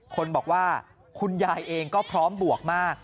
คนบอกว่าคุณยายเองก็พร้อมบวกมาก